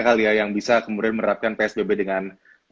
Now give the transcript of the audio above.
kali ya yang bisa kemudian menerapkan psbb dengan